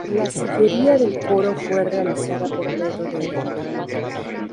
La sillería del coro fue realizada por Pedro de Heredia.